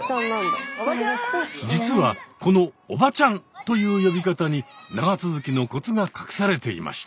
実はこの「おばちゃん」という呼び方に長続きのコツが隠されていました。